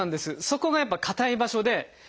そこがやっぱ硬い場所で。